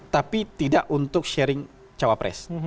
tapi tidak untuk sharing cawa pres